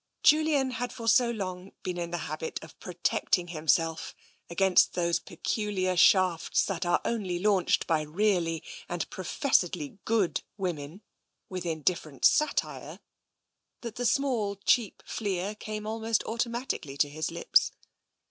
Julian had for so long been in the habit of protect ing himself against those peculiar shafts that are only launched by really and professedly good women, with TENSION 169 indifferent satire, that the small, cheap fleer came al most automatically to his lips.